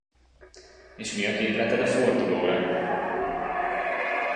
És mi a képleted a fordulóra?